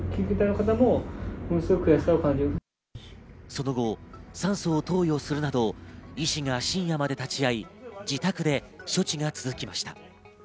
その後、酸素を投与するなど、医師が深夜まで立ち会い自宅で処置が続きました。